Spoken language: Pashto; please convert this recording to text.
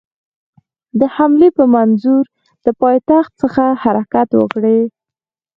د حملې په منظور له پایتخت څخه حرکت وکړي.